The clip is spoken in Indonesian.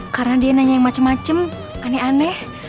karena dia nanya yang macem macem aneh aneh